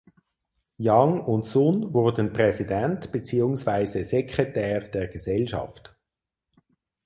Yang und Sun wurden Präsident beziehungsweise Sekretär der Gesellschaft.